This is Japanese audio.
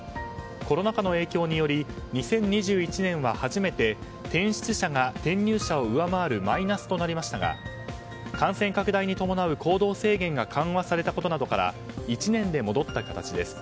コロナ禍の影響により２０２１年は初めて転出者が転入者を上回るマイナスとなりましたが感染拡大に伴う行動制限が緩和されたことなどから１年で戻った形です。